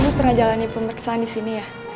kamu pernah jalani pemeriksaan di sini ya